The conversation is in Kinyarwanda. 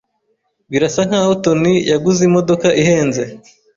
Birasa nkaho Tony yaguze imodoka ihenze.